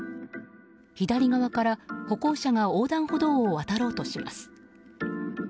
左側から、歩行者が横断歩道を渡ろうとします。